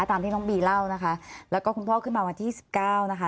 ตามที่น้องบีเล่านะคะแล้วก็คุณพ่อขึ้นมาวันที่สิบเก้านะคะ